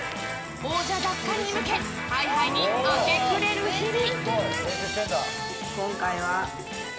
王者奪還に向けハイハイに明け暮れる日々。